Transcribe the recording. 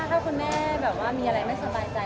ถ้าคุณแม่แบบว่ามีอะไรไม่สบายใจ